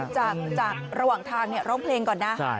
จากระหว่างทางร้องเพลงก่อนนะ